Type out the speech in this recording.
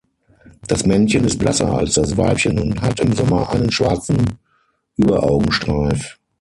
Das Männchen ist blasser als das Weibchen und hat im Sommer einen schwarzen Überaugenstreif.